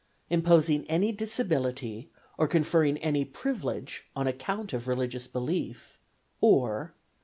Imposing any disability, or conferring any privilege, on account of religious belief; or "(3.)